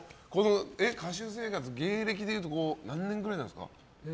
歌手生活、芸歴でいうと何年ぐらいなんですか。